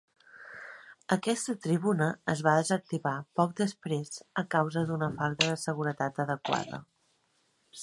Aquesta tribuna es va desactivar poc desprès a causa d'una falta de seguretat adequada.